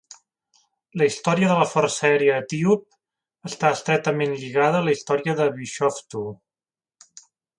La història de la força aèria etíop està estretament lligada a la història de Bishoftu.